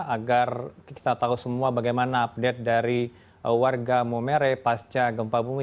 agar kita tahu semua bagaimana update dari warga momere pasca gempa bumi